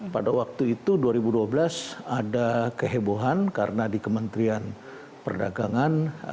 pada waktu itu dua ribu dua belas ada kehebohan karena di kementerian perdagangan